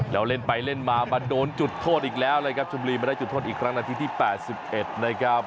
แล้วเล่นไปเล่นมามาโดนจุดโทษอีกแล้วเลยครับชมบุรีมาได้จุดโทษอีกครั้งนาทีที่๘๑นะครับ